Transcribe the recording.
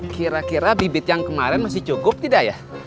kira kira bibit yang kemarin masih cukup tidak ya